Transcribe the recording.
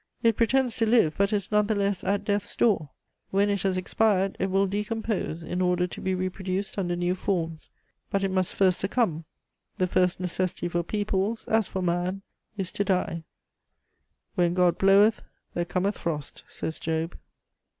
It pretends to live, but is none the less at death's door. When it has expired, it will decompose in order to be reproduced under new forms, but it must first succumb; the first necessity for peoples, as for man, is to die: "When God bloweth, there cometh frost," says Job.